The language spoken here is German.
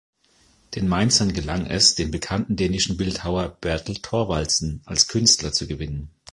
Den Mainzern gelang es, den bekannten dänischen Bildhauer Bertel Thorvaldsen als Künstler zu gewinnen.